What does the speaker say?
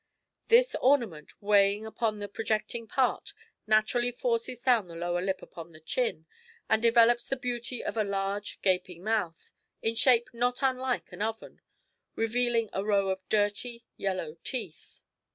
This ornament, weighing upon the projecting part, naturally forces down the lower lip upon the chin, and developes the beauty of a large, gaping mouth, in shape not unlike an oven, revealing a row of dirty, yellow teeth.